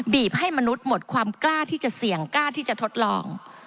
ให้มนุษย์หมดความกล้าที่จะเสี่ยงกล้าที่จะทดลอง